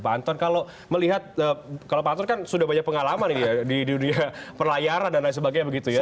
pak anton kalau melihat kalau pak anton kan sudah banyak pengalaman di dunia perlayaran dan lain sebagainya begitu ya